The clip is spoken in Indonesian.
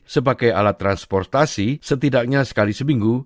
sebagai alat transportasi setidaknya sekali seminggu